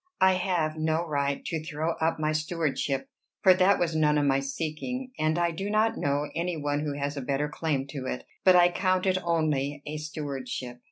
I have no right to throw up my stewardship, for that was none of my seeking, and I do not know any one who has a better claim to it; but I count it only a stewardship.